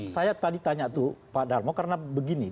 saya tadi tanya tuh pak darmo karena begini